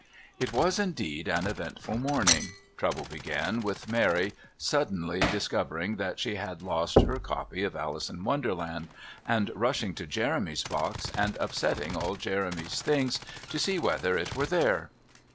It was indeed an eventful morning. Trouble began with Mary suddenly discovering that she had lost her copy of "Alice in Wonderland" and rushing to Jeremy's box and upsetting all Jeremy's things to see whether it were there.